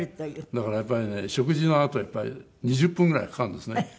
だからやっぱりね食事のあとはやっぱり２０分ぐらいかかるんですね。